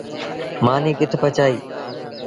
مآݩيٚ ڪٿ پڇائيٚݩ۔